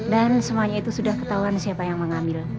dan semuanya itu sudah ketahuan siapa yang mengambil